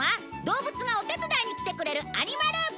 動物がお手伝いに来てくれるアニマループ